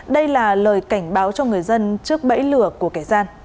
đây là lời cảnh báo cho người dân trước bẫy lửa của kẻ gian